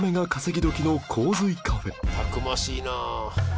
たくましいなあ。